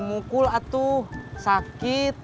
mukul atuh sakit